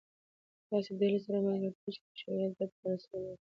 د داسي ډلي سره ملګرتیا چي د شرعیت ضد پالسي ولري؛ ګناه لري.